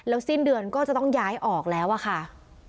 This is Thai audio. สิ้นเดือนก็จะต้องย้ายออกแล้วอะค่ะ